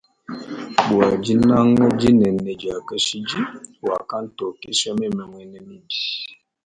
Bwa dinanga dinene dia kashidi wakantokesha meme mwena mibi.